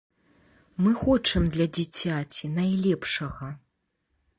Мы хочам для дзіцяці найлепшага.